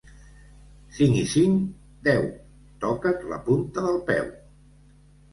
Cinc i cinc? —Deu. —Toca't la punta del peu.